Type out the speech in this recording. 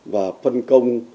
và phân công